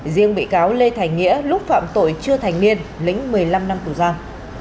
riêng bị cáo lê thành nghĩa lúc phạm tội chưa thành niên lĩnh một mươi năm năm tù giam